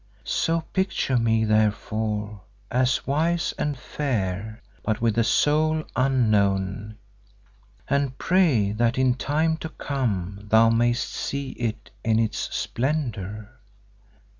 So picture me, therefore, as wise and fair, but with a soul unknown, and pray that in time to come thou mayest see it in its splendour.